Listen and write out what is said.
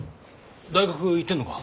大学行ってんのか？